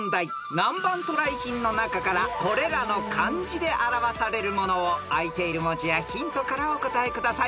［南蛮渡来品の中からこれらの漢字で表されるものをあいている文字やヒントからお答えください］